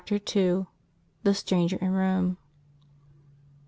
THE STRANGER IN ROME.